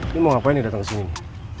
ini mau ngapain nih datang kesini